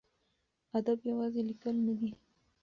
ادب یوازې لیکل نه دي.